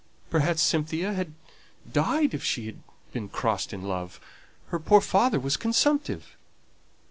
Perhaps Cynthia might have died if she had been crossed in love; her poor father was consumptive."